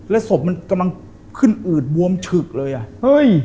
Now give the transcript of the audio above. แล้วศพมันกำลังขึ้นอืดบวมฉึกเลยเห้ย